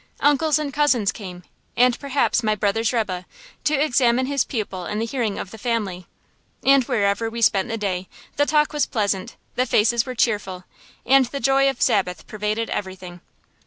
Uncles and cousins came, and perhaps my brother's rebbe, to examine his pupil in the hearing of the family. And wherever we spent the day, the talk was pleasant, the faces were cheerful, and the joy of Sabbath pervaded everything.